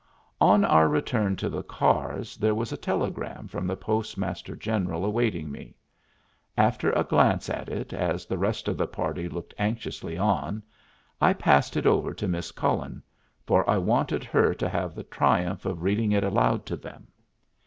On our return to the cars there was a telegram from the Postmaster General awaiting me. After a glance at it, as the rest of the party looked anxiously on, I passed it over to Miss Cullen, for I wanted her to have the triumph of reading it aloud to them.